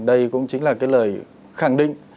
đây cũng chính là cái lời khẳng định